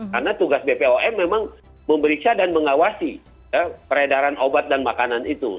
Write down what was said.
karena tugas bepom memang memberiksa dan mengawasi peredaran obat dan makanan itu